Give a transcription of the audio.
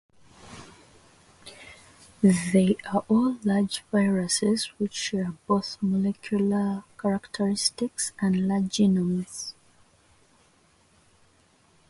They are all large viruses which share both molecular characteristics and large genomes.